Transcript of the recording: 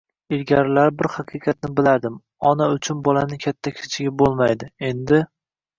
Ilgarilari bir haqiqatni bilardim. Ona uchun bolaning katta-kichigi bo'lmaydi. Endi